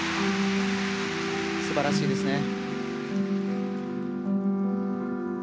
素晴らしいですね。